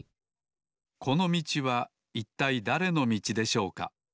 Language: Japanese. このみちはいったいだれのみちでしょうか？